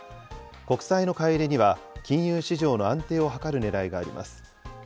国債の買い入れには金融市場の安定を図るねらいがあります。